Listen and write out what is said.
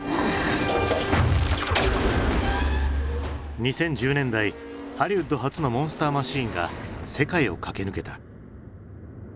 ２０１０年代ハリウッド発のモンスターマシンが世界を駆け抜けた。